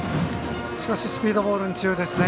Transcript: しかしスピードボールに強いですね。